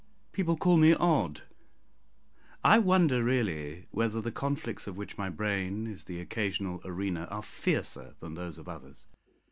People call me odd. I wonder really whether the conflicts of which my brain is the occasional arena are fiercer than those of others.